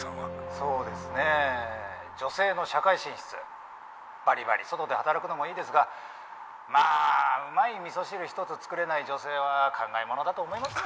「そうですねえ女性の社会進出」「バリバリ外で働くのもいいですがまあうまい味噌汁一つ作れない女性は考えものだと思いますよ